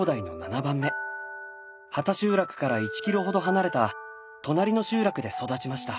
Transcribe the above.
畑集落から１キロほど離れた隣の集落で育ちました。